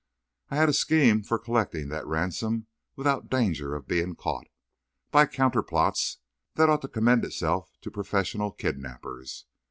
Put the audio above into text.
I had a scheme for collecting that ransom without danger of being caught by counterplots that ought to commend itself to professional kidnappers.